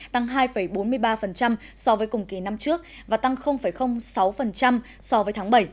tăng hai bốn mươi ba so với cùng kỳ năm trước và tăng sáu so với tháng bảy